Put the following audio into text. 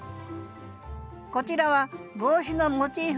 こちらは帽子のモチーフの配置。